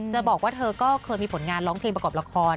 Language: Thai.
บอกว่าเธอก็เคยมีผลงานร้องเพลงประกอบละคร